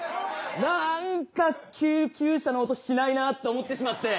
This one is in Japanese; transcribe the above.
なんか救急車の音しないなと思ってしまって。